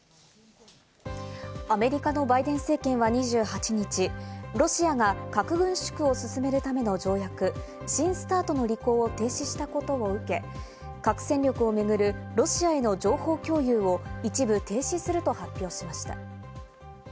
アメリカのバイデン政権は２８日、ロシアが核軍縮を進めるための条約、新ＳＴＡＲＴの履行を停止したことを受け、核戦力をめぐるロシアへの情報共有を一部停止すると発表しました。